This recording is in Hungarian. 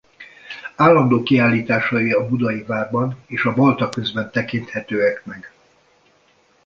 Állandó kiállításai a Budai Várban és a Balta közben tekinthetőek meg.